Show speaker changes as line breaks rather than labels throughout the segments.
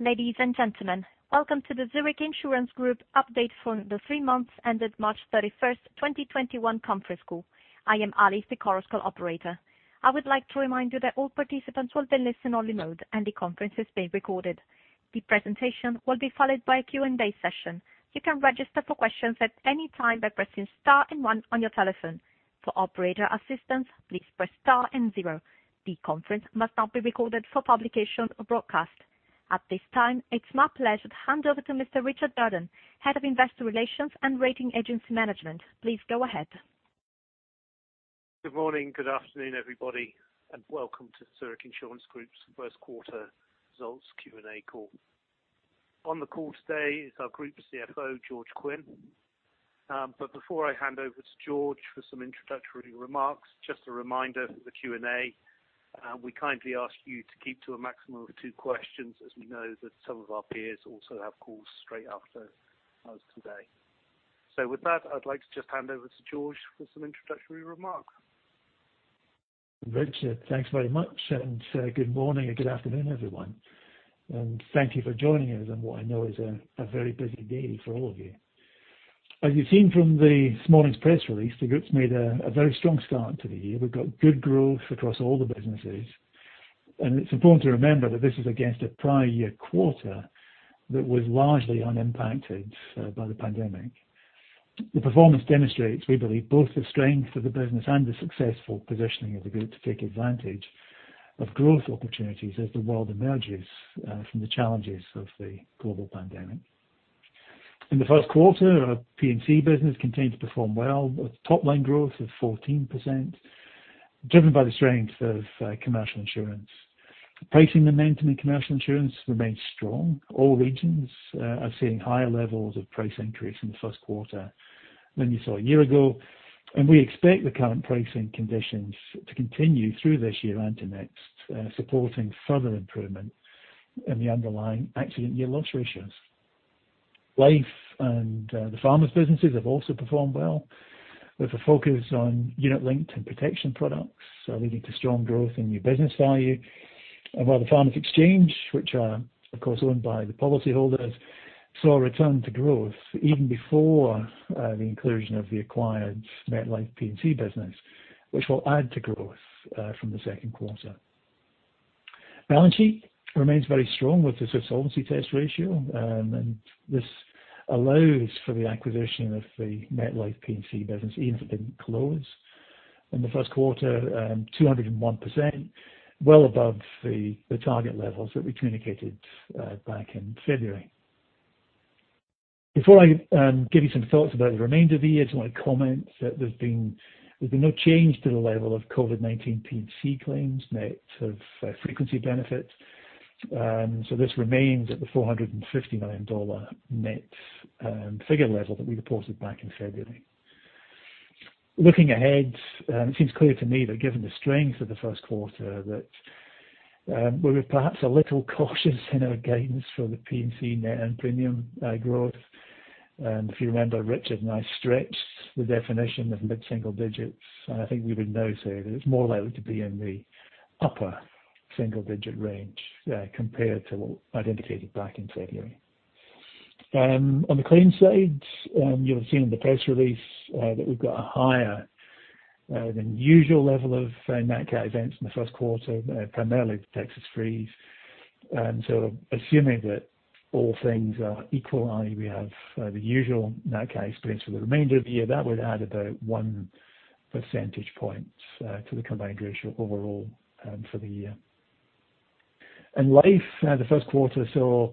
Ladies and gentlemen, welcome to the Zurich Insurance Group update for the three months ended March 31st, 2021 Conference Call. I am Alice, the Chorus Call operator. I would like to remind you that all participants will be in listen only mode, and the conference is being recorded. The presentation will be followed by a Q&A session. You can register for questions at any time by pressing star one on your telephone. For operator assistance, please press star zero. The conference must not be recorded for publication or broadcast. At this time, it's my pleasure to hand over to Mr. Richard Burden, Head of Investor Relations and Rating Agency Management. Please go ahead.
Good morning, good afternoon, everybody, welcome to Zurich Insurance Group's first quarter results Q&A call. On the call today is our Group CFO, George Quinn. Before I hand over to George for some introductory remarks, just a reminder for the Q&A, we kindly ask you to keep to a maximum of two questions, as we know that some of our peers also have calls straight after us today. With that, I'd like to just hand over to George for some introductory remarks.
Richard, thanks very much. Good morning or good afternoon, everyone. Thank you for joining us on what I know is a very busy day for all of you. As you've seen from this morning's press release, the group's made a very strong start to the year. We've got good growth across all the businesses. It's important to remember that this is against a prior year quarter that was largely unimpacted by the pandemic. The performance demonstrates, we believe, both the strength of the business and the successful positioning of the group to take advantage of growth opportunities as the world emerges from the challenges of the global pandemic. In the first quarter, our P&C business continued to perform well with top line growth of 14%, driven by the strength of commercial insurance. Pricing momentum in commercial insurance remains strong. All regions are seeing higher levels of price increase in the first quarter than you saw a year ago. We expect the current pricing conditions to continue through this year and to next, supporting further improvement in the underlying accident year loss ratios. Life and the Farmers businesses have also performed well, with a focus on unit-linked and protection products, leading to strong growth in new business value. While the Farmers Exchanges, which are of course owned by the policy holders, saw a return to growth even before the inclusion of the acquired MetLife P&C business, which will add to growth from the second quarter. Balance sheet remains very strong with the Swiss Solvency Test ratio. This allows for the acquisition of the MetLife P&C business even if it didn't close in the first quarter, 201%, well above the target levels that we communicated back in February. Before I give you some thoughts about the remainder of the year, I just want to comment that there's been no change to the level of COVID-19 P&C claims net of frequency benefits. This remains at the $450 million net figure level that we reported back in February. Looking ahead, it seems clear to me that given the strength of the first quarter, that we were perhaps a little cautious in our guidance for the P&C net and premium growth. If you remember, Richard and I stretched the definition of mid-single digits, and I think we would now say that it's more likely to be in the upper single-digit range compared to what identified back in February. On the claims side, you'll have seen in the press release that we've got a higher than usual level of nat cat events in the first quarter, primarily the Texas freeze. Assuming that all things are equal, i.e., we have the usual nat cat splits for the remainder of the year, that would add about one percentage point to the combined ratio overall for the year. In Life, the first quarter saw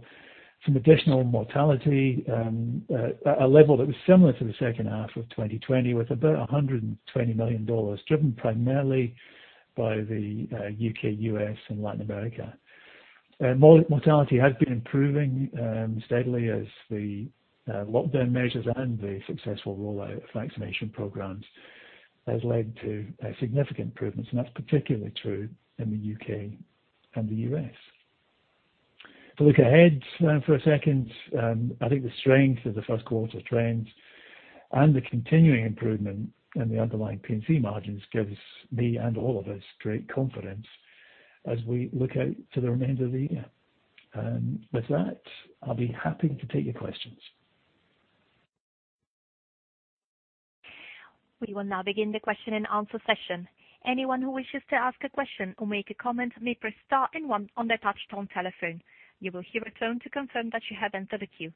some additional mortality, a level that was similar to the second half of 2020, with about $120 million, driven primarily by the U.K., U.S., and Latin America. Mortality has been improving steadily as the lockdown measures and the successful rollout of vaccination programs has led to significant improvements, and that's particularly true in the U.K. and the U.S. To look ahead for a second, I think the strength of the first quarter trends and the continuing improvement in the underlying P&C margins gives me and all of us great confidence as we look out to the remainder of the year. With that, I'll be happy to take your questions.
We will now begin the question and answer session. Anyone who wishes to ask a question or make a comment may press star and one on their touch-tone telephone. You will hear a tone to confirm that you have entered a queue.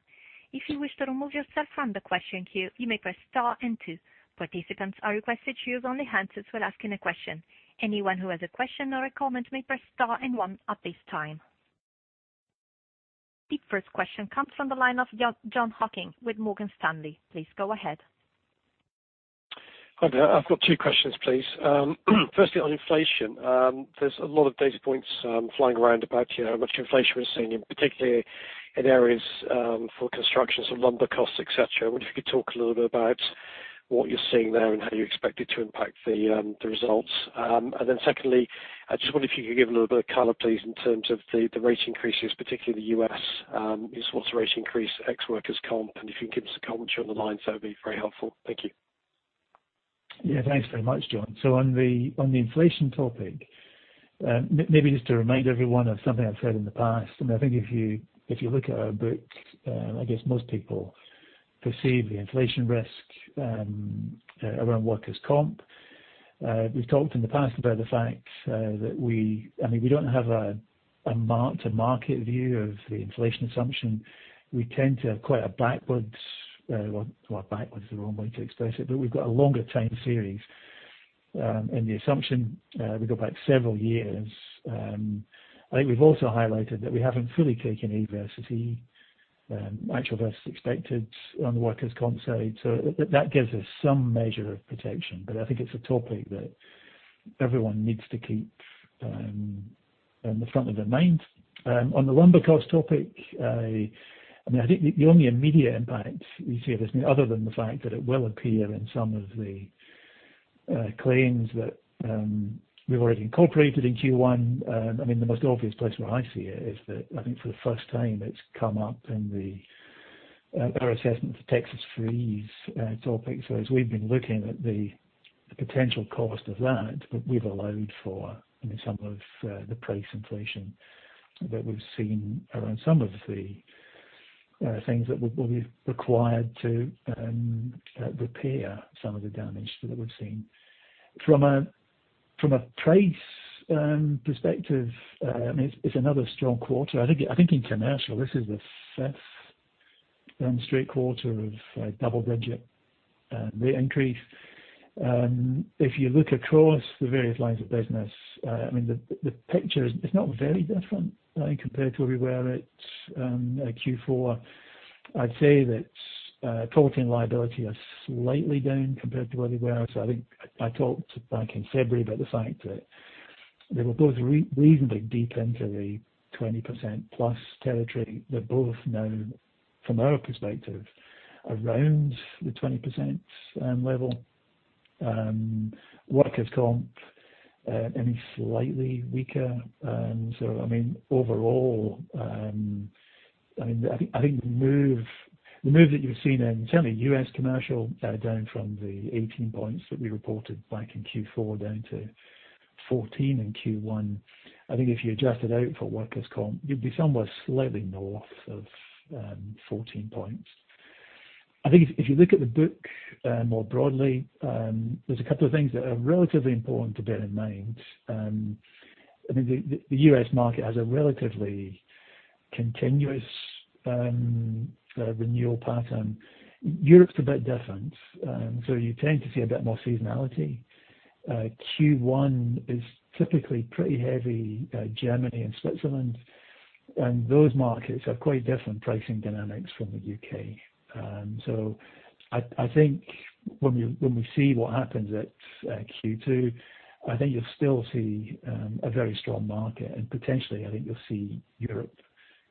If you wish to remove yourself from the question queue, you may press star and two. Participants are requested to use only one when asking a question. Anyone who has a question or a comment may press star and one at this time. The first question comes from the line of Jon Hocking with Morgan Stanley. Please go ahead.
Hi there. I've got two questions, please. Firstly, on inflation, there's a lot of data points flying around about how much inflation we're seeing, particularly in areas for construction, so lumber costs, et cetera. I wonder if you could talk a little bit about what you're seeing there and how you expect it to impact the results. Secondly, I just wonder if you could give a little bit of color, please, in terms of the rate increases, particularly in the U.S. You spoke to rate increase ex workers' comp, and if you can give us a comment on the line, that would be very helpful. Thank you.
Yeah. Thanks very much, Jon. On the inflation topic, maybe just to remind everyone of something I've said in the past. I think if you look at our books, I guess most people perceive the inflation risk around workers' comp. We've talked in the past about the fact that we don't have a mark-to-market view of the inflation assumption. We tend to have quite a backwards. Well, backwards is the wrong way to express it, but we've got a longer time series. The assumption, we go back several years. I think we've also highlighted that we haven't fully taken adversity, actual versus expected on the workers' comp side. That gives us some measure of protection. I think it's a topic that everyone needs to keep in the front of their minds. On the lumber cost topic, I think the only immediate impact you see of this, other than the fact that it will appear in some of the claims that we've already incorporated in Q1. The most obvious place where I see it is that I think for the first time it's come up in our assessment for Texas freeze topic. As we've been looking at the potential cost of that, but we've allowed for some of the price inflation that we've seen around some of the things that will be required to repair some of the damage that we've seen. From a price perspective, it's another strong quarter. I think in commercial, this is the fifth straight quarter of double-digit rate increase. If you look across the various lines of business, the picture is not very different compared to where we were at Q4. I'd say that property and liability are slightly down compared to where they were. I think I talked back in February about the fact that they were both reasonably deep into the 20%+ territory. They're both now, from our perspective, around the 20% level. Workers' comp, slightly weaker. Overall, I think the move that you've seen in certainly U.S. commercial down from the 18 points that we reported back in Q4 down to 14 points in Q1. I think if you adjust it out for workers' comp, you'd be somewhere slightly north of 14 points. I think if you look at the book more broadly, there's a couple of things that are relatively important to bear in mind. The U.S. market has a relatively continuous renewal pattern. Europe's a bit different. You tend to see a bit more seasonality. Q1 is typically pretty heavy Germany and Switzerland, and those markets have quite different pricing dynamics from the U.K. I think when we see what happens at Q2, I think you'll still see a very strong market. Potentially, I think you'll see Europe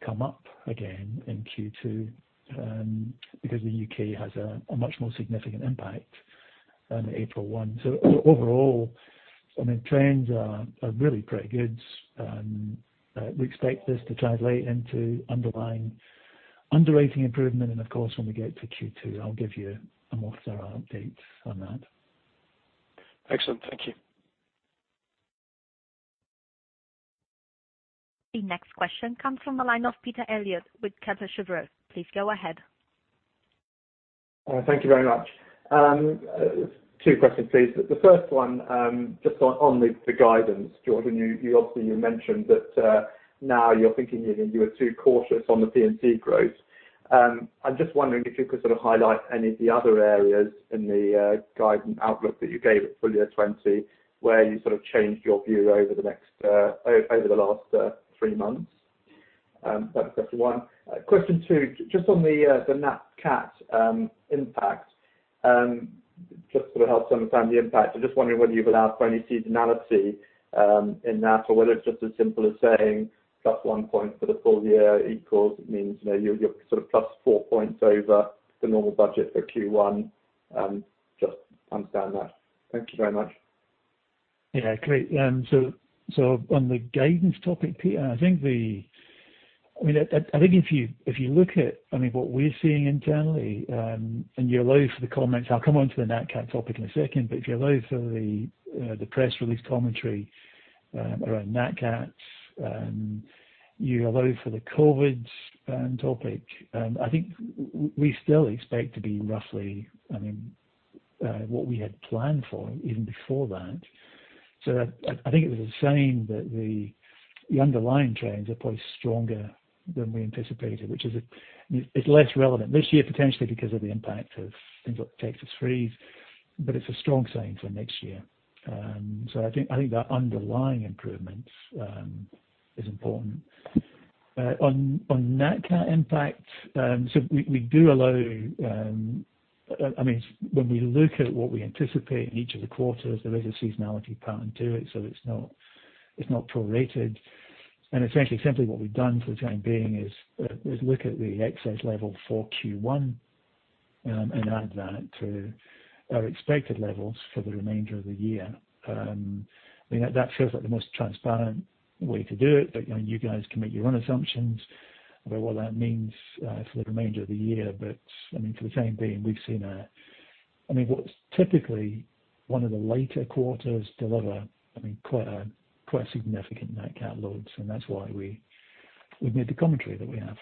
come up again in Q2, because the U.K. has a much more significant impact on April 1. Overall, trends are really pretty good. We expect this to translate into underlying underwriting improvement. Of course, when we get to Q2, I'll give you a more thorough update on that.
Excellent. Thank you.
The next question comes from the line of Peter Eliot with Kepler Cheuvreux. Please go ahead.
Thank you very much. Two questions, please. First one, just on the guidance, George. Obviously you mentioned that now you're thinking you were too cautious on the P&C growth. I'm just wondering if you could sort of highlight any of the other areas in the guidance outlook that you gave at FY 2020 where you sort of changed your view over the last three months. That's question one. Question two, just on the nat cat impact. Just to help sort of understand the impact. I'm just wondering whether you've allowed for any seasonality in that, or whether it's just as simple as saying plus one point for the full year equals, means you're sort of plus four points over the normal budget for Q1. Just understand that. Thank you very much.
Yeah. Great. On the guidance topic, Peter, I think if you look at what we're seeing internally, and you allow for the comments, I'll come on to the nat cat topic in a second. If you allow for the press release commentary around nat cat, you allow for the COVID topic, I think we still expect to be roughly what we had planned for even before that. I think it was a sign that the underlying trends are probably stronger than we anticipated. It's less relevant this year, potentially because of the impact of things like Texas freeze, but it's a strong sign for next year. I think that underlying improvement is important. On nat cat impact, we do allow. When we look at what we anticipate in each of the quarters, there is a seasonality pattern to it. It's not prorated. Essentially, simply what we've done for the time being is look at the excess level for Q1 and add that to our expected levels for the remainder of the year. That feels like the most transparent way to do it. You guys can make your own assumptions about what that means for the remainder of the year. For the time being, we've seen what's typically one of the later quarters deliver quite a significant nat cat load. That's why we've made the commentary that we have.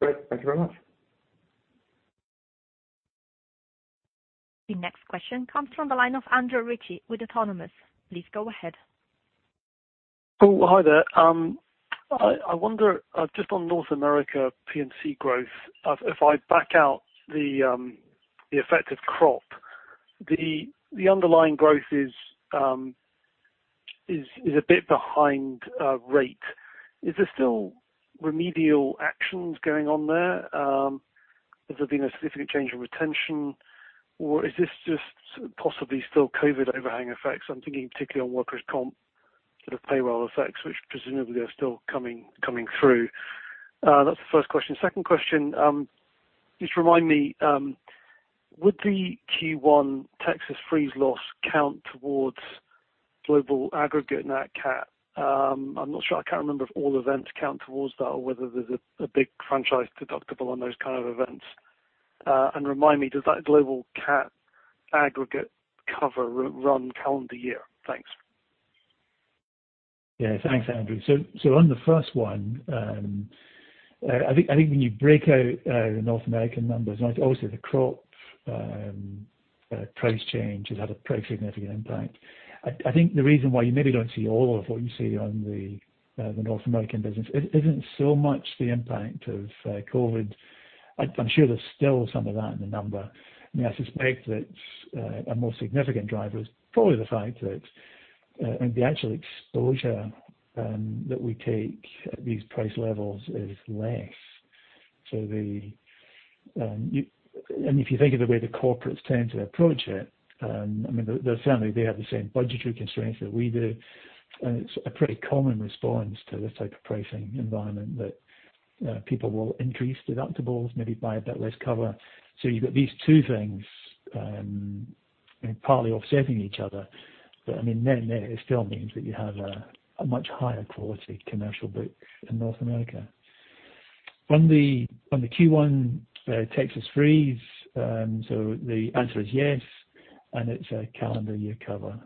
Great. Thank you very much.
The next question comes from the line of Andrew Ritchie with Autonomous. Please go ahead.
Oh, hi there. I wonder, just on North America, P&C growth, if I back out the effect of crop, the underlying growth is a bit behind rate. Is there still remedial actions going on there? Has there been a significant change in retention, or is this just possibly still COVID overhang effects? I'm thinking particularly on workers' comp, sort of payroll effects, which presumably are still coming through. That's the first question. Second question. Just remind me, would the Q1 Texas freeze loss count towards global aggregate nat cat? I'm not sure. I can't remember if all events count towards that or whether there's a big franchise deductible on those kind of events. Remind me, does that global nat cat aggregate cover run calendar year? Thanks.
Yeah. Thanks, Andrew. On the first one, I think when you break out the North American numbers, obviously the crop price change has had a pretty significant impact. I think the reason why you maybe don't see all of what you see on the North American business isn't so much the impact of COVID. I'm sure there's still some of that in the number. I suspect that a more significant driver is probably the fact that the actual exposure that we take at these price levels is less. If you think of the way the corporates tend to approach it, certainly they have the same budgetary constraints that we do. It's a pretty common response to this type of pricing environment that people will increase deductibles, maybe buy a bit less cover. You've got these two things partly offsetting each other. It still means that you have a much higher quality commercial book in North America. On the Q1 Texas freeze. The answer is yes, and it's a calendar year cover.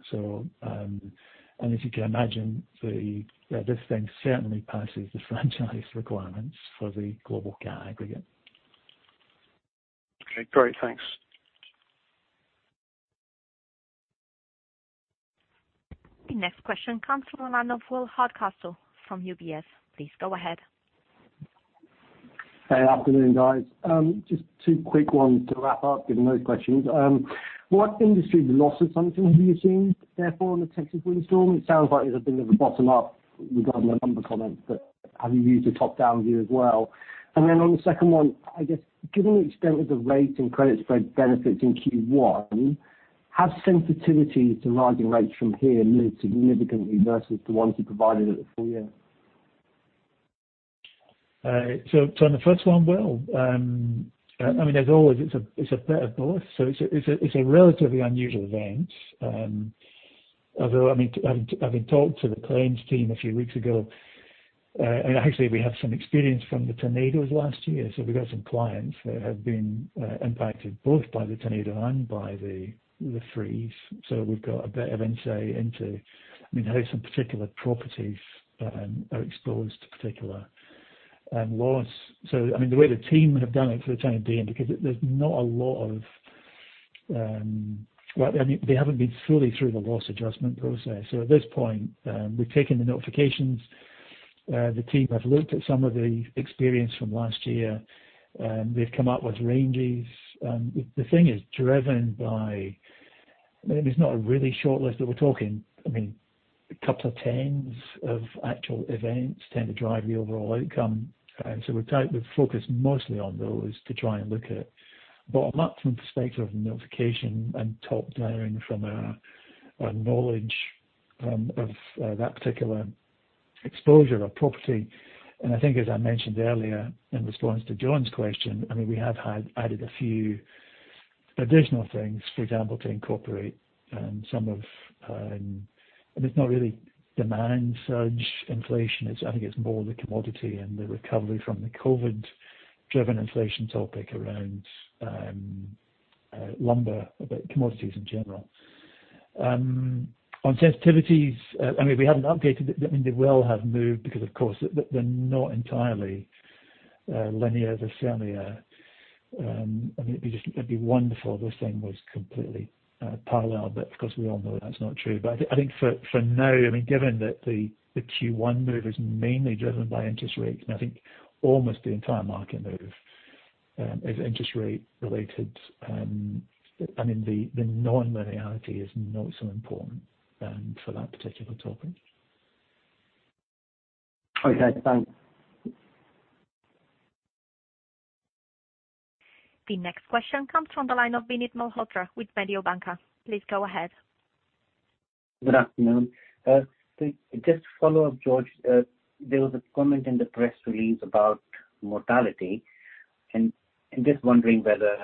As you can imagine, this thing certainly passes the franchise requirements for the global cat aggregate.
Okay, great. Thanks.
The next question comes from the line of Will Hardcastle from UBS. Please go ahead.
Hey, afternoon, guys. Just two quick ones to wrap up, given those questions. What industry losses, something have you seen, therefore, in the Texas windstorm? It sounds like it's a bit of a bottom up regarding the number comments, but have you used a top-down view as well? On the second one, I guess given the extent of the rate and credit spread benefits in Q1, have sensitivities to rising rates from here moved significantly versus the ones you provided at the full year?
On the first one, Will, as always, it's a bit of both. It's a relatively unusual event. Having talked to the claims team a few weeks ago, and actually, we have some experience from the tornadoes last year, so we've got some clients that have been impacted both by the tornado and by the freeze. We've got a bit of insight into how some particular properties are exposed to particular laws. The way the team have done it for the time being, because They haven't been fully through the loss adjustment process. At this point, we've taken the notifications. The team have looked at some of the experience from last year, they've come up with ranges. The thing is driven by I mean, it's not a really short list, but we're talking a couple of 10s of actual events tend to drive the overall outcome. We've focused mostly on those to try and look at bottom-up from perspective of notification and top-down from a knowledge of that particular exposure or property. I think as I mentioned earlier in response to Jon's question, we have added a few additional things, for example, to incorporate some of I mean, it's not really demand surge inflation, I think it's more the commodity and the recovery from the COVID-19 driven inflation topic around lumber, commodities in general. On sensitivities, we haven't updated it. They will have moved because of course they're not entirely linear. There's certainly a I mean, it'd be wonderful if this thing was completely parallel, of course we all know that's not true. I think for now, given that the Q1 move is mainly driven by interest rates, and I think almost the entire market move is interest rate related. The non-linearity is not so important for that particular topic.
Okay, thanks.
The next question comes from the line of Vinit Malhotra with Mediobanca. Please go ahead.
Good afternoon. Just to follow up, George, there was a comment in the press release about mortality, and just wondering whether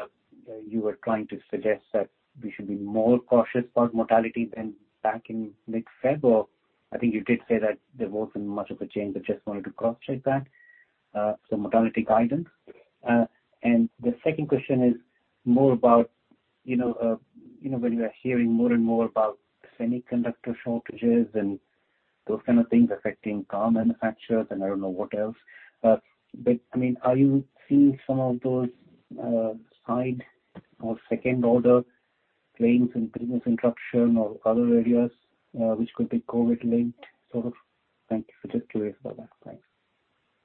you were trying to suggest that we should be more cautious about mortality than back in mid-Feb, or I think you did say that there wasn't much of a change. I just wanted to cross-check that. Mortality guidance. The second question is more about when you are hearing more and more about semiconductor shortages and those kind of things affecting car manufacturers, and I don't know what else. Are you seeing some of those side or second order claims and business interruption or other areas, which could be COVID linked sort of? Thank you. Just curious about that. Thanks.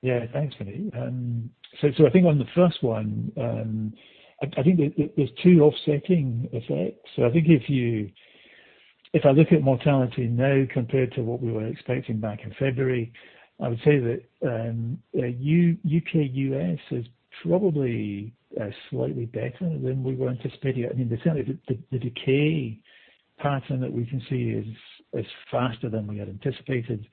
Yeah, thanks, Vinit. I think on the first one, I think there's two offsetting effects. I think if I look at mortality now compared to what we were expecting back in February, I would say that U.K./U.S. is probably slightly better than we were anticipating. I mean, certainly the decay pattern that we can see is faster than we had anticipated.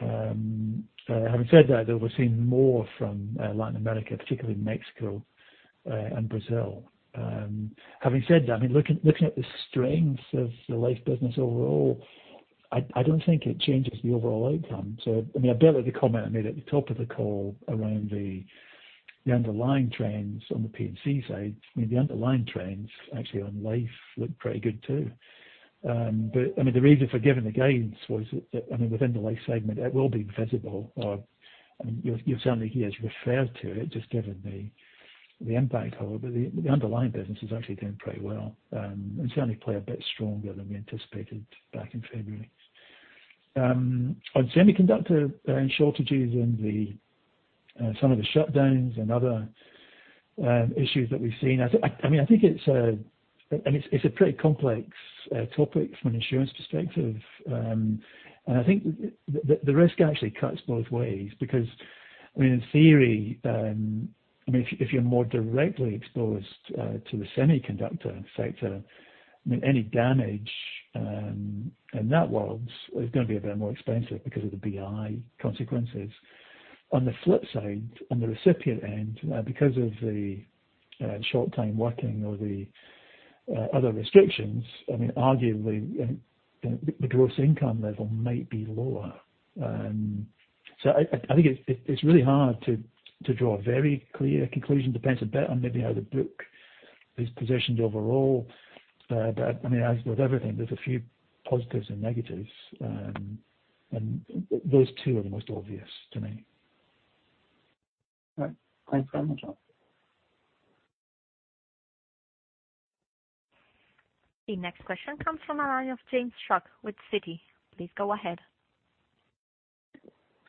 Having said that, though, we're seeing more from Latin America, particularly Mexico and Brazil. Having said that, looking at the strength of the life business overall, I don't think it changes the overall outcome. I bear out the comment I made at the top of the call around the underlying trends on the P&C side. The underlying trends actually on life look pretty good too. The reason for giving the gains was that within the life segment, it will be visible. You've certainly here referred to it, just given the impact. The underlying business is actually doing pretty well, and certainly play a bit stronger than we anticipated back in February. Semiconductor shortages and some of the shutdowns and other issues that we've seen, I think it's a pretty complex topic from an insurance perspective. I think the risk actually cuts both ways because in theory, if you're more directly exposed to the semiconductor sector, any damage in that world is going to be a bit more expensive because of the BI consequences. The flip side, on the recipient end, because of the short time working or the other restrictions, arguably the gross income level might be lower. I think it's really hard to draw a very clear conclusion. Depends a bit on maybe how the book is positioned overall. As with everything, there's a few positives and negatives, and those two are the most obvious to me.
All right. Thanks very much.
The next question comes from the line of James Shuck with Citi. Please go ahead.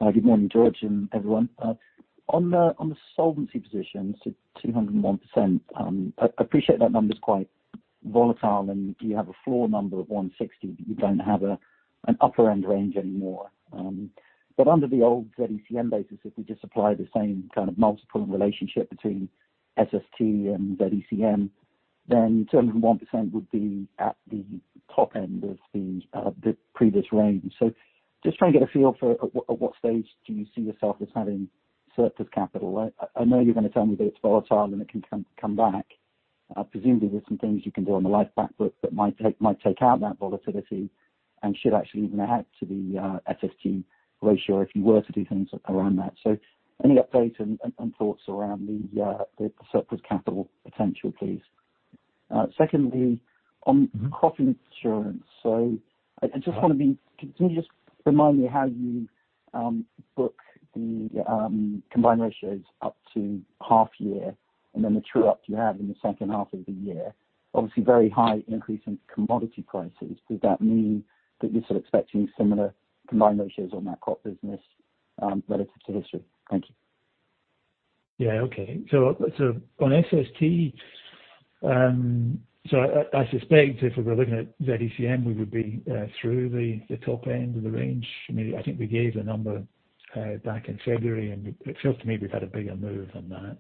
Good morning, George and everyone. On the solvency position, 201%. I appreciate that number's quite volatile, and you have a floor number of 160%, but you don't have an upper end range anymore. Under the old ZECM basis, if we just apply the same kind of multiple relationship between SST and ZECM, then 201% would be at the top end of the previous range. Just trying to get a feel for at what stage do you see yourself as having surplus capital? I know you're going to tell me that it's volatile and it can come back. Presumably, there's some things you can do on the life back book that might take out that volatility and should actually even add to the SST ratio if you were to do things around that. Any update and thoughts around the surplus capital potential, please? Secondly, on crop insurance.
Yeah.
Can you just remind me how you book the combined ratios up to half year and then the true up you have in the second half of the year. Obviously, very high increase in commodity prices. Does that mean that you're sort of expecting similar combined ratios on that crop business, relative to history? Thank you.
Yeah. Okay. On SST, I suspect if we were looking at ZECM, we would be through the top end of the range. I think we gave the number back in February, and it feels to me we've had a bigger move than that.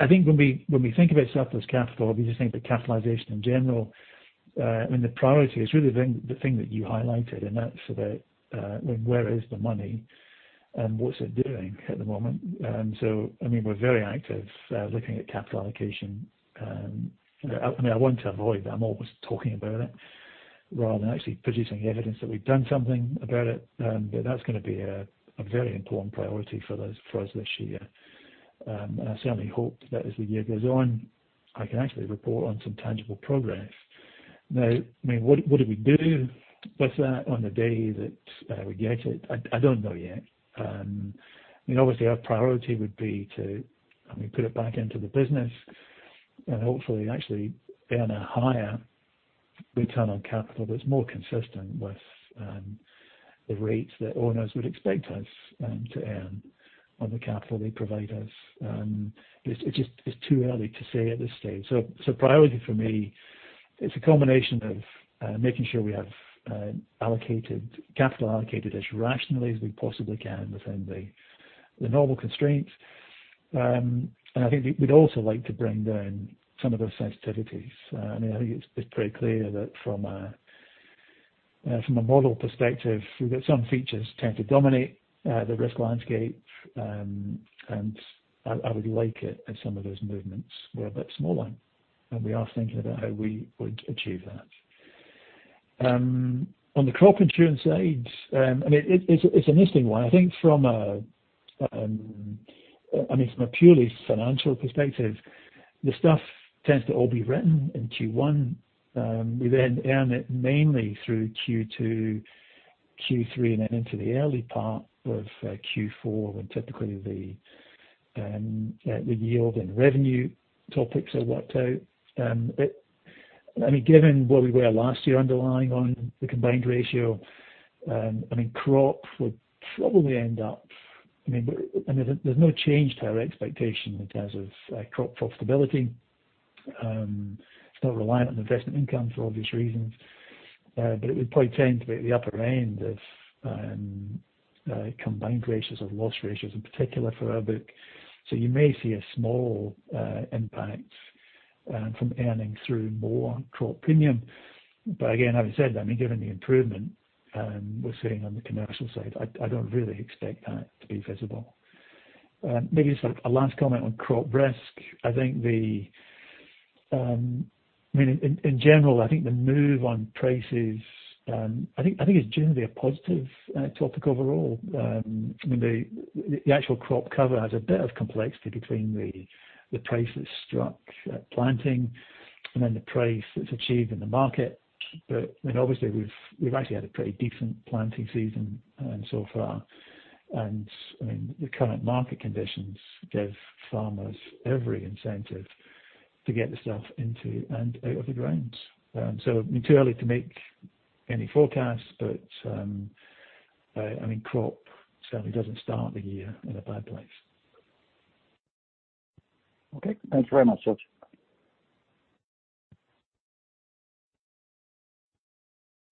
I think when we think about surplus capital, if you just think about capitalization in general, the priority is really the thing that you highlighted, and that's about where is the money and what's it doing at the moment. We're very active looking at capital allocation. I want to avoid I'm always talking about it rather than actually producing evidence that we've done something about it. That's going to be a very important priority for us this year. I certainly hope that as the year goes on, I can actually report on some tangible progress. What do we do with that on the day that we get it? I don't know yet. Our priority would be to put it back into the business and hopefully actually earn a higher return on capital that's more consistent with the rates that owners would expect us to earn on the capital they provide us. It's too early to say at this stage. Priority for me, it's a combination of making sure we have allocated capital as rationally as we possibly can within the normal constraints. I think we'd also like to bring down some of those sensitivities. I think it's pretty clear that from a model perspective, we've got some features tend to dominate the risk landscape. I would like it if some of those movements were a bit smaller, and we are thinking about how we would achieve that. On the crop insurance side, it's an interesting one. I think from a purely financial perspective, the stuff tends to all be written in Q1. We then earn it mainly through Q2, Q3, and then into the early part of Q4, when typically the yield and revenue topics are worked out. Given where we were last year underlying on the combined ratio, crop would probably end up There's no change to our expectation in terms of crop profitability. It's not reliant on investment income for obvious reasons. It would probably tend to be at the upper end of combined ratios or loss ratios in particular for our book. Again, having said, given the improvement we're seeing on the commercial side, I don't really expect that to be visible. Maybe just a last comment on crop risk. In general, I think the move on prices, I think it's generally a positive topic overall. The actual crop cover has a bit of complexity between the price that's struck at planting and then the price that's achieved in the market. Obviously we've actually had a pretty decent planting season so far. The current market conditions give farmers every incentive to get the stuff into and out of the grounds. Too early to make any forecasts, but crop certainly doesn't start the year in a bad place.
Okay. Thanks very much, George.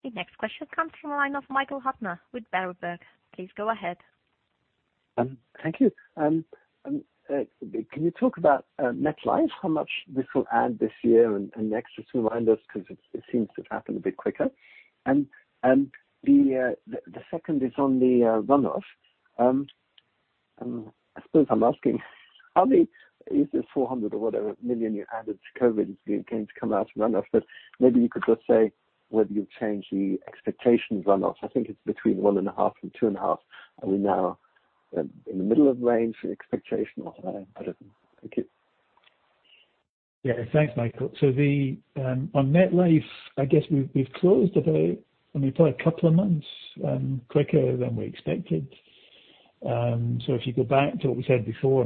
The next question comes from the line of Michael Huttner with Berenberg. Please go ahead.
Thank you. Can you talk about MetLife, how much this will add this year and next, just to remind us, because it seems to happen a bit quicker. The second is on the runoff. I suppose I'm asking, how is this $400 or whatever million you added to COVID-19 going to come out of runoff? Maybe you could just say whether you've changed the expectations runoff. I think it's between one and a half and two and a half. Are we now in the middle of range for expectation or how about it? Thank you.
Yes. Thanks, Michael. On MetLife, I guess we've closed about probably a couple of months quicker than we expected. If you go back to what we said before,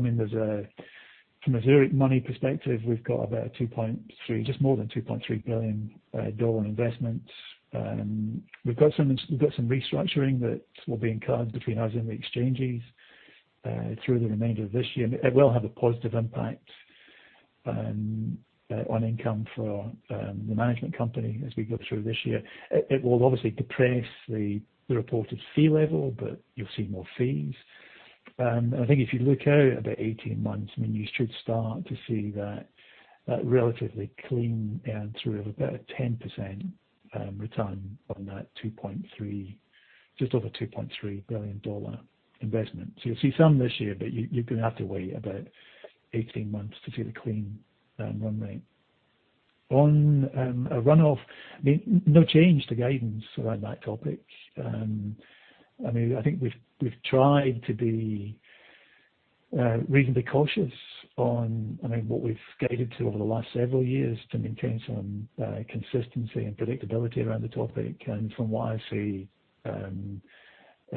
from a Zurich money perspective, we've got just more than $2.3 billion investments. We've got some restructuring that will be incurred between now and the exchanges through the remainder of this year. It will have a positive impact on income for the management company as we go through this year. It will obviously depress the reported fee level, but you'll see more fees. I think if you look out about 18 months, you should start to see that relatively clean down through of about a 10% return on that just over $2.3 billion investment. You'll see some this year, but you're going to have to wait about 18 months to see the clean run rate. On runoff, no change to guidance around that topic. I think we've tried to be reasonably cautious on what we've guided to over the last several years to maintain some consistency and predictability around the topic. From what I see in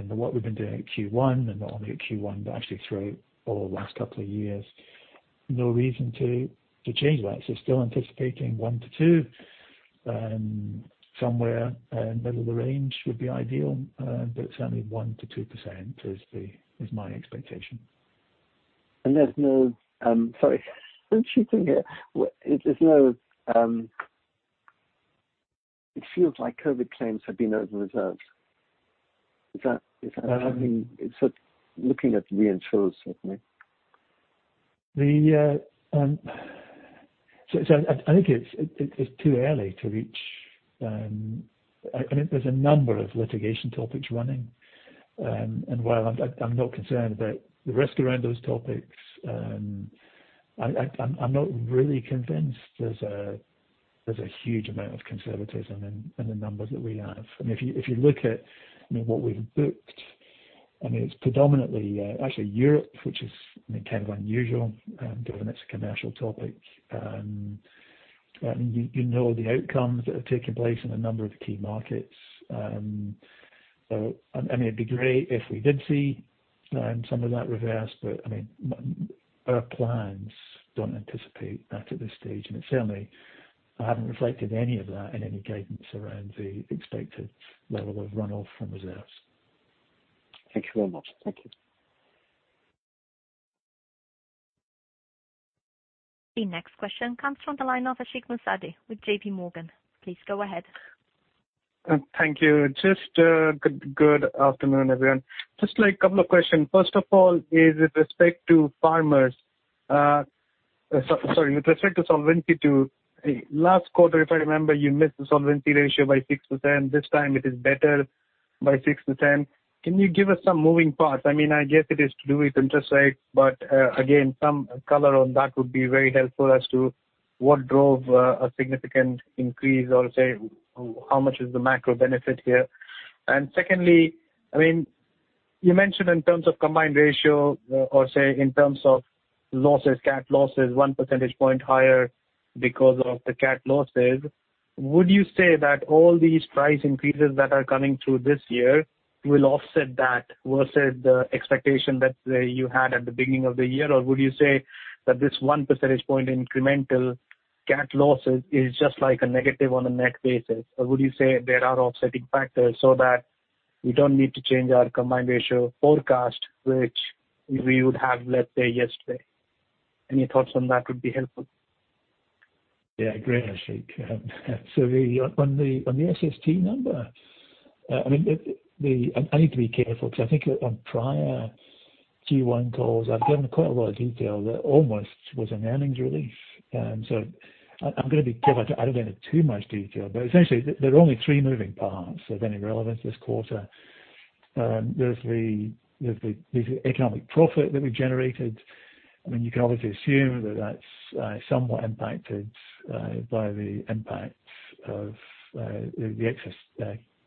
what we've been doing at Q1, not only at Q1, but actually through all the last couple of years, no reason to change that. Still anticipating 1%-2%. Somewhere middle of the range would be ideal, it's only 1%-2% is my expectation.
Sorry, still thinking. It feels like COVID claims have been over reserved. Is that Looking at the reinsurers, certainly.
There's a number of litigation topics running. While I'm not concerned about the risk around those topics, I'm not really convinced there's a huge amount of conservatism in the numbers that we have. If you look at what we've booked, it's predominantly actually Europe, which is kind of unusual, given it's a commercial topic. You know the outcomes that have taken place in a number of key markets. It'd be great if we did see some of that reverse, but our plans don't anticipate that at this stage. Certainly I haven't reflected any of that in any guidance around the expected level of runoff from reserves.
Thank you very much.
Thank you.
The next question comes from the line of Ashik Musaddi with JPMorgan. Please go ahead.
Thank you. Just good afternoon, everyone. Just a couple of questions. First of all is with respect to Farmers. Sorry, with respect to Solvency II last quarter, if I remember, you missed the solvency ratio by 6%. This time it is better by 6%. Can you give us some moving parts? I guess it is to do with interest rates, again, some color on that would be very helpful as to what drove a significant increase or say, how much is the macro benefit here. Secondly, you mentioned in terms of combined ratio or say in terms of losses, cat losses, one percentage point higher because of the cat losses. Would you say that all these price increases that are coming through this year will offset that versus the expectation that you had at the beginning of the year? Would you say that this one percentage point incremental cat losses is just like a negative on a net basis? Would you say there are offsetting factors so that we don't need to change our combined ratio forecast, which we would have, let's say, yesterday? Any thoughts on that would be helpful.
Yeah, great, Ashik. On the SST number, I need to be careful because I think on prior Q1 calls, I've given quite a lot of detail that almost was an earnings release. I'm going to be careful I don't go into too much detail, but essentially there are only three moving parts of any relevance this quarter. There's the economic profit that we generated. You can obviously assume that's somewhat impacted by the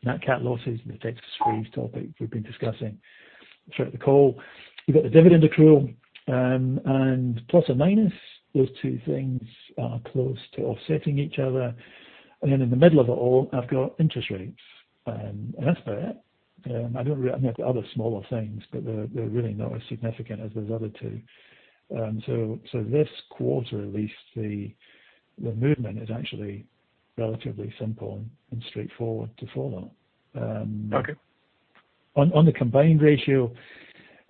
impact of the excess nat cat losses and the Texas freeze topic we've been discussing throughout the call. You've got the dividend accrual, and plus or minus, those two things are close to offsetting each other. Then in the middle of it all, I've got interest rates. That's about it. I don't know the other smaller things, but they're really not as significant as those other two. This quarter, at least the movement is actually relatively simple and straightforward to follow.
Okay.
On the combined ratio,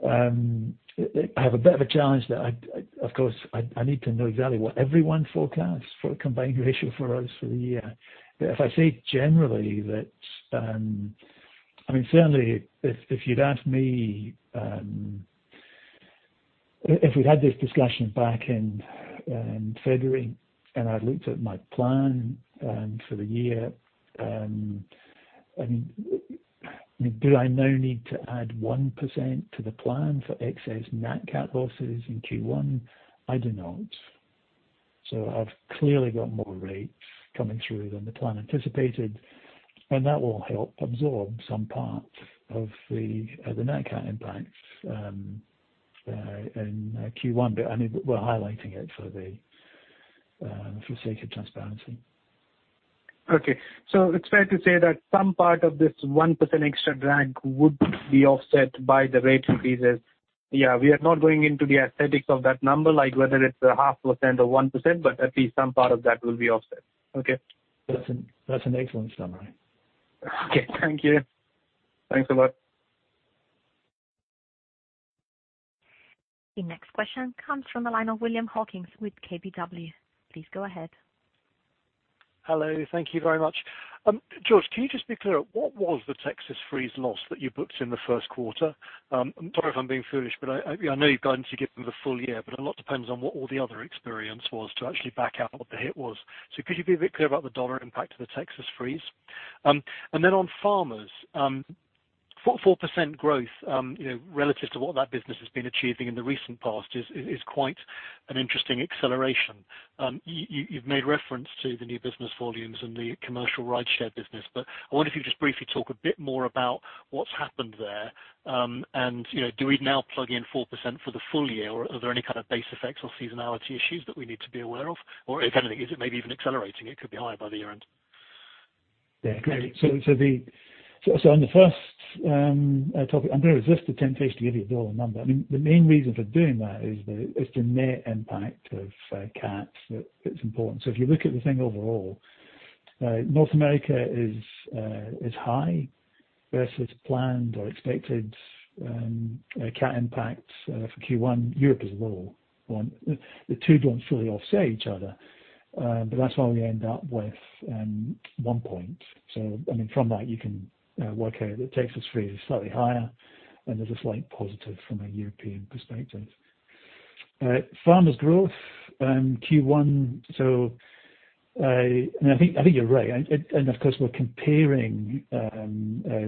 I have a bit of a challenge that, of course, I need to know exactly what everyone forecasts for a combined ratio for us for the year. If I say certainly if you'd asked me, if we'd had this discussion back in February and I'd looked at my plan for the year, do I now need to add 1% to the plan for excess nat cat losses in Q1? I do not. I've clearly got more rates coming through than the plan anticipated, and that will help absorb some part of the nat cat impacts in Q1. We're highlighting it for the sake of transparency.
Okay. It's fair to say that some part of this 1% extra drag would be offset by the rate increases. Yeah, we are not going into the aesthetics of that number, like whether it's a 0.5% or 1%, but at least some part of that will be offset. Okay.
That's an excellent summary.
Okay. Thank you. Thanks a lot.
The next question comes from the line of William Hawkins with KBW. Please go ahead.
Hello. Thank you very much. George, can you just be clear, what was the Texas freeze loss that you booked in the first quarter? I'm sorry if I'm being foolish, but I know you've gone to give them the full year, but a lot depends on what all the other experience was to actually back out what the hit was. Could you be a bit clear about the dollar impact of the Texas freeze? On Farmers, 4% growth, relative to what that business has been achieving in the recent past, is quite an interesting acceleration. You've made reference to the new business volumes and the commercial rideshare business, but I wonder if you could just briefly talk a bit more about what's happened there. Do we now plug in 4% for the full year, or are there any kind of base effects or seasonality issues that we need to be aware of? If anything, is it maybe even accelerating? It could be higher by the year end.
Yeah. Great. On the first topic, I'm going to resist the temptation to give you a dollar number. The main reason for doing that is the net impact of cats that it's important. If you look at the thing overall, North America is high versus planned or expected cat impact for Q1. Europe is low. The two don't fully offset each other. That's why we end up with one point. From that, you can work out that Texas freeze is slightly higher, and there's a slight positive from a European perspective. Farmers growth, Q1. I think you're right. Of course, we're comparing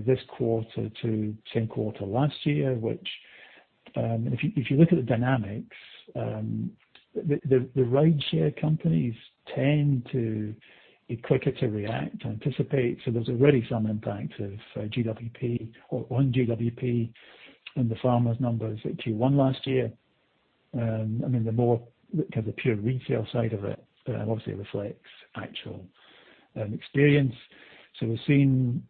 this quarter to same quarter last year. If you look at the dynamics, the rideshare companies tend to be quicker to react, anticipate. There's already some impact of GWP or on GWP in the Farmers numbers at Q1 last year. The more pure retail side of it obviously reflects actual experience. We're seeing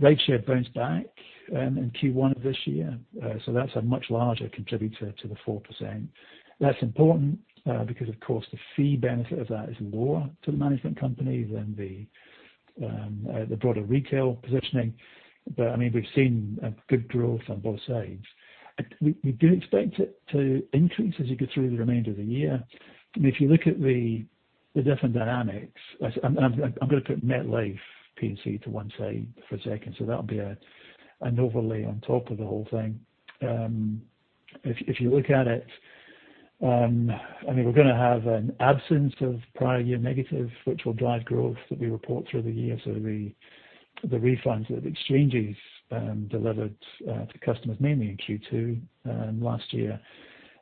rideshare bounce back in Q1 of this year. That's a much larger contributor to the 4%. That's important because, of course, the fee benefit of that is lower to the management company than the broader retail positioning. We've seen a good growth on both sides. We do expect it to increase as you go through the remainder of the year. If you look at the different dynamics. I'm going to put MetLife P&C to one side for a second. That'll be an overlay on top of the whole thing. We're going to have an absence of prior year negative, which will drive growth that we report through the year. The refunds that exchanges delivered to customers, mainly in Q2 last year,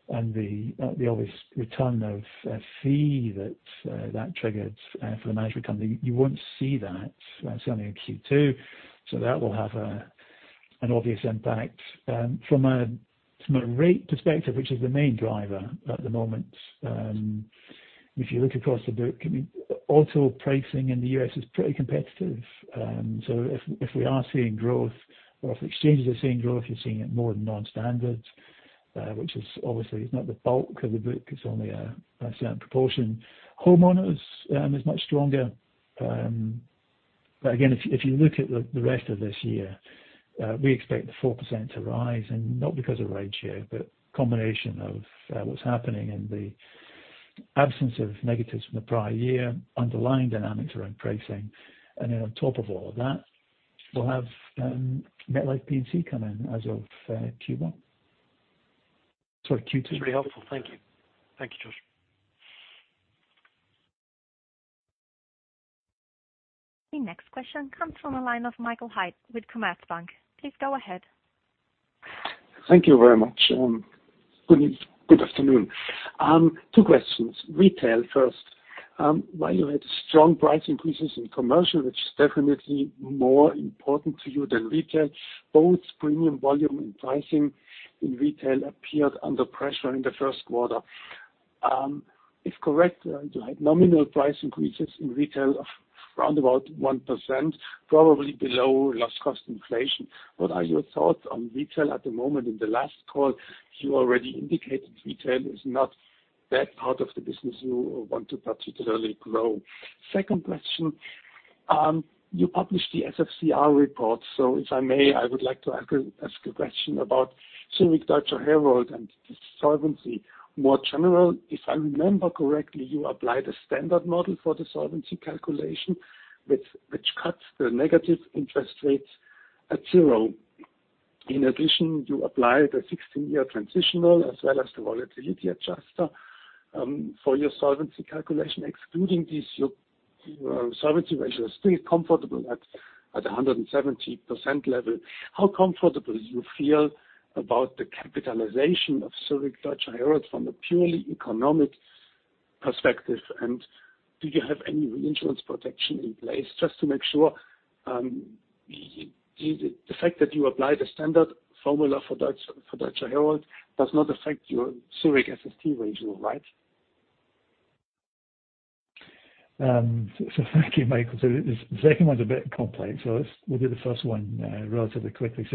and the obvious return of fee that triggered for the management company, you won't see that. That's only in Q2. That will have an obvious impact. From a rate perspective, which is the main driver at the moment, if you look across the book, auto pricing in the U.S. is pretty competitive. If we are seeing growth, or if exchanges are seeing growth, you're seeing it more in non-standards, which is obviously is not the bulk of the book, it's only a certain proportion. Homeowners is much stronger. Again, if you look at the rest of this year, we expect the 4% to rise, and not because of ratio, but combination of what's happening and the absence of negatives from the prior year, underlying dynamics around pricing. On top of all of that, we'll have MetLife P&C come in as of Q1. Sorry, Q2.
It's pretty helpful. Thank you. Thank you, George.
The next question comes from the line of Michael Haid with Commerzbank. Please go ahead.
Thank you very much. Good afternoon. Two questions. Retail first. While you had strong price increases in commercial, which is definitely more important to you than retail, both premium volume and pricing in retail appeared under pressure in the first quarter. If correct, you had nominal price increases in retail of round about 1%, probably below last cost inflation. What are your thoughts on retail at the moment? In the last call, you already indicated retail is not that part of the business you want to particularly grow. Second question. You published the SFCR report. If I may, I would like to ask a question about Zurich Deutscher Herold and the solvency more general. If I remember correctly, you applied a standard model for the solvency calculation, which cuts the negative interest rates at zero. In addition, you applied a 16-year transitional as well as the volatility adjuster for your solvency calculation. Excluding this, your solvency ratio is still comfortable at 170% level. How comfortable do you feel about the capitalization of Zurich Deutscher Herold from a purely economic perspective, and do you have any reinsurance protection in place just to make sure the fact that you apply the standard formula for Deutscher Herold does not affect your Zurich SST ratio, right?
Thank you, Michael. The second one's a bit complex, so we'll do the first one relatively quickly.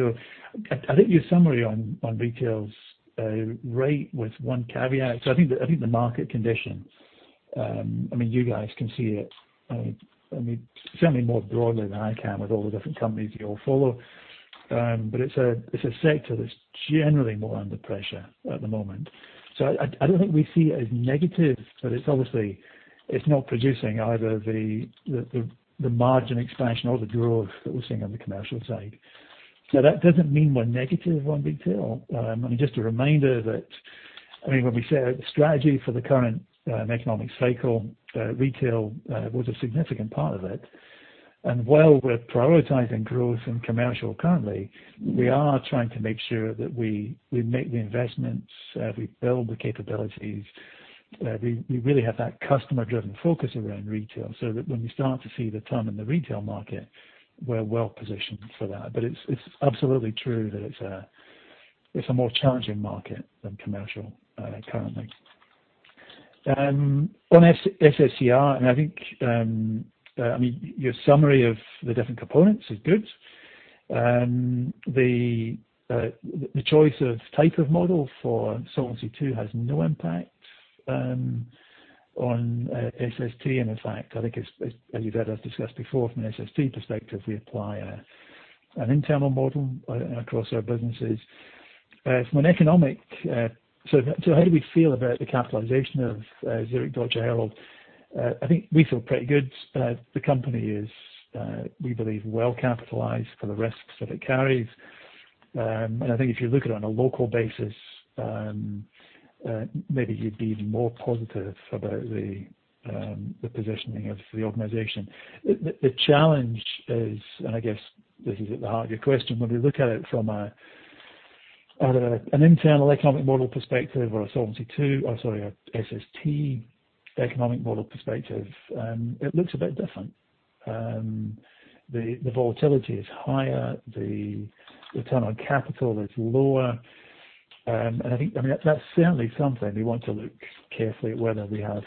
I think your summary on retail is right with one caveat. I think the market condition, you guys can see it certainly more broadly than I can with all the different companies you all follow. It's a sector that's generally more under pressure at the moment. I don't think we see it as negative, but it's obviously it's not producing either the margin expansion or the growth that we're seeing on the commercial side. That doesn't mean we're negative on retail. Just a reminder that, when we set out the strategy for the current economic cycle, retail was a significant part of it. While we're prioritizing growth in commercial currently, we are trying to make sure that we make the investments, we build the capabilities. We really have that customer-driven focus around retail, so that when we start to see the turn in the retail market, we're well positioned for that. It's absolutely true that it's a more challenging market than commercial currently. On SFCR, I think your summary of the different components is good. The choice of type of model for Solvency II has no impact on SST. In fact, I think as you've heard us discuss before, from an SST perspective, we apply an internal model across our businesses. From an economic. How do we feel about the capitalization of Zurich Deutscher Herold? I think we feel pretty good. The company is, we believe, well capitalized for the risks that it carries. I think if you look at it on a local basis, maybe you'd be even more positive about the positioning of the organization. The challenge is, I guess this is at the heart of your question, when we look at it from an internal economic model perspective or a Solvency II, or, sorry, a SST economic model perspective, it looks a bit different. The volatility is higher, the return on capital is lower. I think that's certainly something we want to look carefully at, whether we have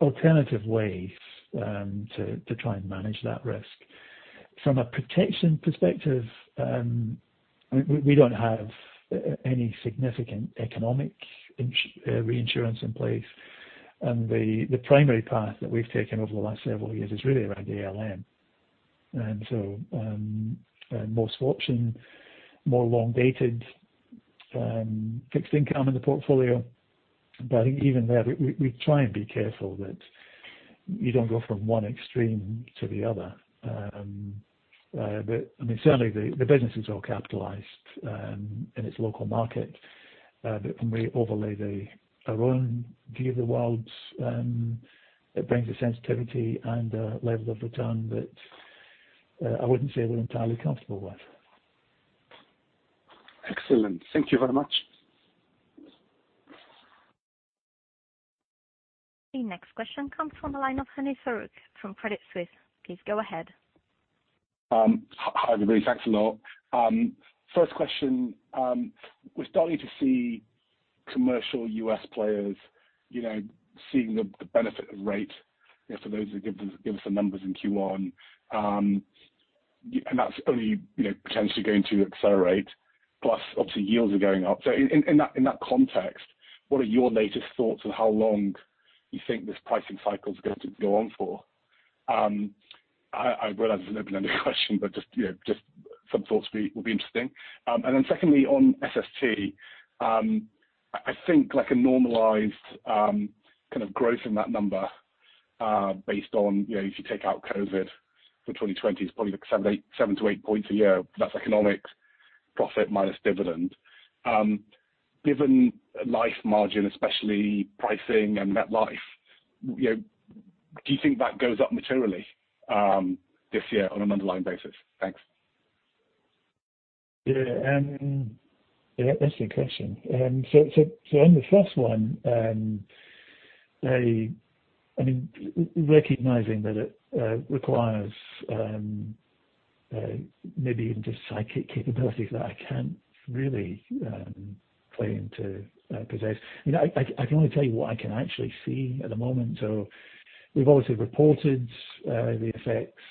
alternative ways to try and manage that risk. From a protection perspective, we don't have any significant economic reinsurance in place. The primary path that we've taken over the last several years is really around ALM. More swaps and more long-dated fixed income in the portfolio. I think even there, we try and be careful that you don't go from one extreme to the other. Certainly, the business is well-capitalized in its local market, but when we overlay our own view of the world, it brings a sensitivity and a level of return that I wouldn't say we're entirely comfortable with.
Excellent. Thank you very much.
The next question comes from the line of Farooq Hanif from Credit Suisse. Please go ahead.
Hi everybody. Thanks a lot. First question. We're starting to see commercial U.S. players seeing the benefit of rate for those that give us the numbers in Q1. That's only potentially going to accelerate, plus obviously yields are going up. In that context, what are your latest thoughts on how long you think this pricing cycle is going to go on for? I realize there's an open-ended question, but just some thoughts would be interesting. Then secondly, on SST, I think like a normalized growth in that number, based on if you take out COVID for 2020, it's probably like seven to eight points a year. That's economics profit minus dividend. Given life margin, especially pricing and MetLife, do you think that goes up materially this year on an underlying basis? Thanks.
Yeah. Interesting question. On the first one, recognizing that it requires maybe even just psychic capabilities that I can't really claim to possess. I can only tell you what I can actually see at the moment. We've obviously reported the effects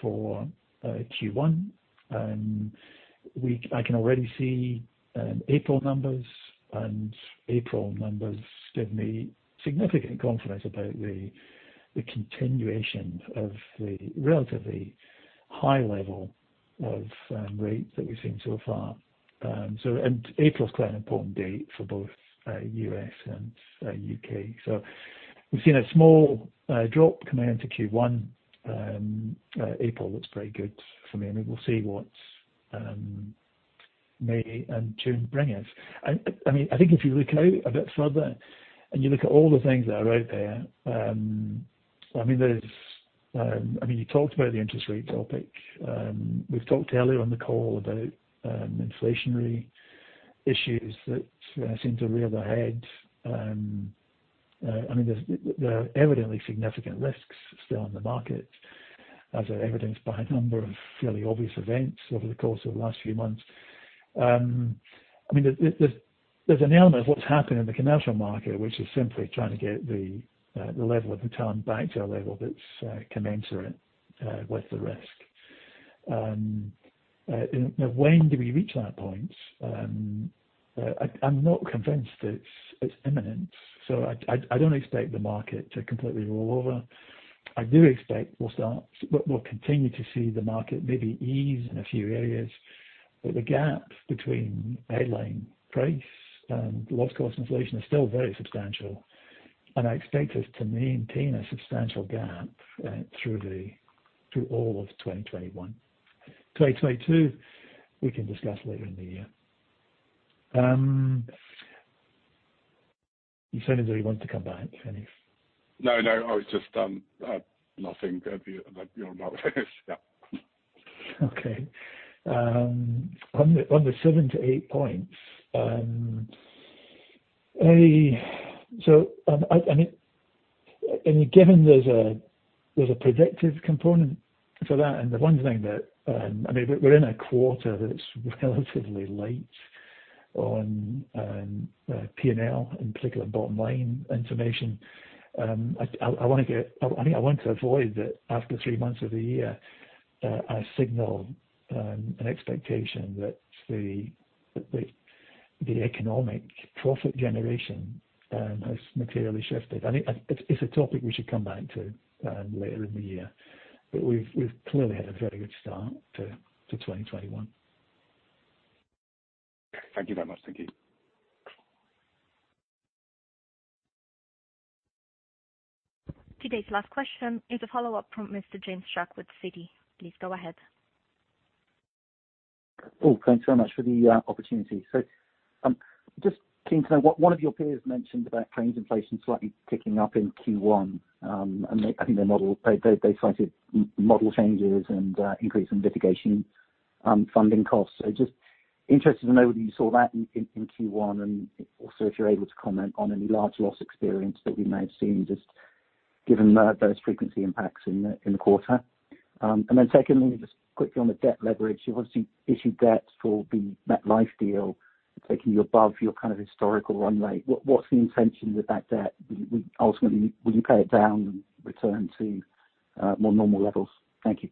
for Q1. I can already see April numbers, and April numbers give me significant confidence about the continuation of the relatively high level of rate that we've seen so far. April is quite an important date for both U.S. and U.K. We've seen a small drop compared to Q1. April looks very good for me. We'll see what May and June bring us. I think if you look out a bit further and you look at all the things that are out there, you talked about the interest rate topic. We've talked earlier on the call about inflationary issues that seem to rear their head. There are evidently significant risks still in the market, as evidenced by a number of fairly obvious events over the course of the last few months. There's an element of what's happened in the commercial market, which is simply trying to get the level of return back to a level that's commensurate with the risk. When do we reach that point? I'm not convinced it's imminent, so I don't expect the market to completely roll over. I do expect we'll continue to see the market maybe ease in a few areas, but the gap between headline price and loss cost inflation is still very substantial. I expect us to maintain a substantial gap through all of 2021. 2022, we can discuss later in the year. You said you want to come back, Hanif?
No. Nothing. You're all right. Yeah.
Okay. On the seven to eight points, given there's a predictive component for that and the one thing that We're in a quarter that's relatively light on P&L, in particular bottom line information. I want to avoid that after three months of the year, I signal an expectation that the economic profit generation has materially shifted. I think it's a topic we should come back to later in the year. We've clearly had a very good start to 2021.
Thank you very much. Thank you.
Today's last question is a follow-up from Mr. James Shuck with Citi. Please go ahead.
Thanks very much for the opportunity. Just keen to know, one of your peers mentioned about claims inflation slightly ticking up in Q1. I think they cited model changes and increase in litigation funding costs. Just interested to know whether you saw that in Q1 and also if you're able to comment on any large loss experience that you may have seen, just given those frequency impacts in the quarter. Secondly, just quickly on the debt leverage, you obviously issued debt for the MetLife deal, taking you above your historical run rate. What's the intention with that debt ultimately? Will you pay it down and return to more normal levels? Thank you.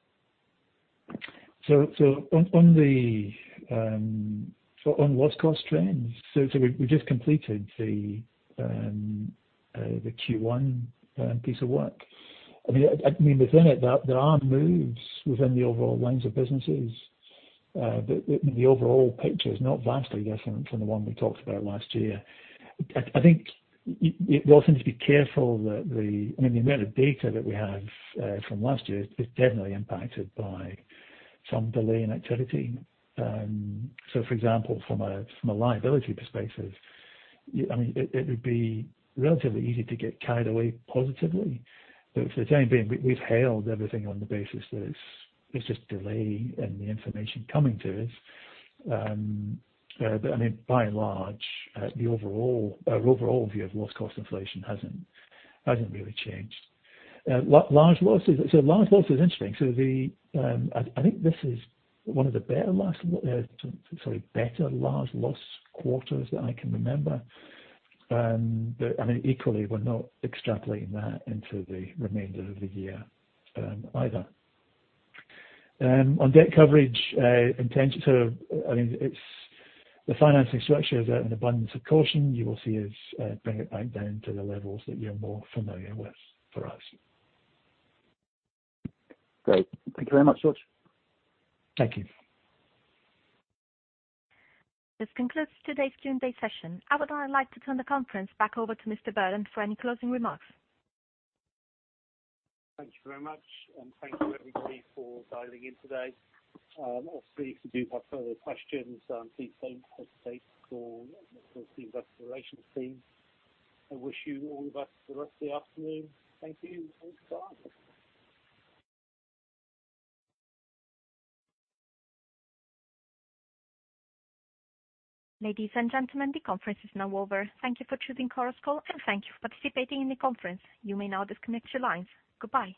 On loss cost trends, we just completed the Q1 piece of work. Within it, there are moves within the overall lines of businesses. The overall picture is not vastly different from the one we talked about last year. I think we also need to be careful that the amount of data that we have from last year is definitely impacted by some delay in activity. For example, from a liability perspective, it would be relatively easy to get carried away positively. For the time being, we've hailed everything on the basis that it's just delay in the information coming to us. By and large, our overall view of loss cost inflation hasn't really changed. Large losses. Large losses is interesting. I think this is one of the better large loss quarters that I can remember. Equally, we're not extrapolating that into the remainder of the year either. On debt coverage, the financing structure is out an abundance of caution. You will see us bring it back down to the levels that you're more familiar with for us.
Great. Thank you very much, George.
Thank you.
This concludes today's Q&A session. I would now like to turn the conference back over to Mr. Burden for any closing remarks.
Thank you very much, and thank you everybody for dialing in today. Obviously, if you do have further questions, please don't hesitate to call the investor relations team. I wish you all the best for the rest of the afternoon. Thank you. Bye.
Ladies and gentlemen, the conference is now over. Thank you for choosing Chorus Call, and thank you for participating in the conference. You may now disconnect your lines. Goodbye.